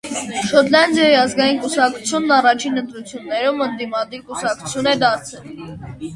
Շոտլանդիայի ազգային կուսակցությունն առաջին ընտրություններում ընդդիմադիր կուսակցություն է դարձել։